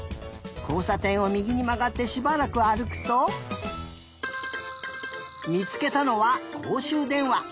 こうさてんをみぎにまがってしばらくあるくとみつけたのはこうしゅうでんわ。